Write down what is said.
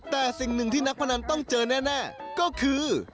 แต่สิ่งหนึ่งที่นักพนันต้องเจอแน่ก็คือ